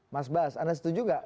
mas bas anda setuju nggak